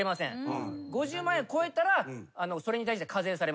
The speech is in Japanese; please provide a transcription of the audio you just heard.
５０万円超えたらそれに対して課税されます。